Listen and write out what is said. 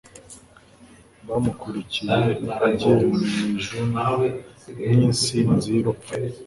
Bamukurikiye agiye mu ijun nk'insinzi y'urupfu.